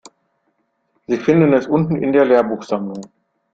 Sie finden es unten in der Lehrbuchsammlung.